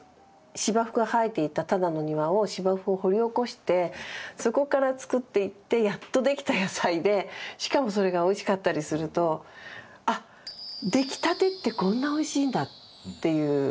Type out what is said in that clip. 芝生が生えていたただの庭を芝生を掘り起こしてそこから作っていってやっとできた野菜でしかもそれがおいしかったりすると味わえたっていうかな